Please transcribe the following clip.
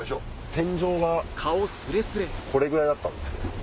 天井がこれぐらいだったんです。